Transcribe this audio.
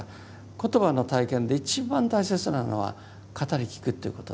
言葉の体験で一番大切なのは語り聞くということです。